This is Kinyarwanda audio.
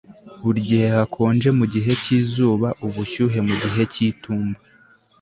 Burigihe hakonje mugihe cyizuba ubushyuhe mugihe cyitumba